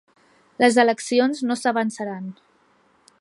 Les eleccions no s'avançaran